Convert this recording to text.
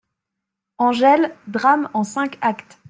=Angèle.= Drame en cinq actes.